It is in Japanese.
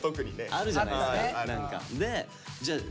あるじゃないですか何か。